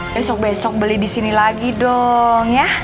besok besok beli disini lagi dong ya